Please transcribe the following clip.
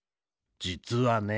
じつはね。